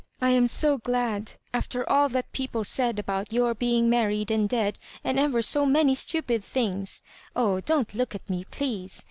I am so glad 1 after all that people said about your being married and dead and ever so many stupid things. Oh 1 don't look at me, please.